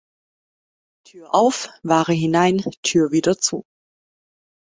Tür auf, Ware hinein, Tür wieder zu!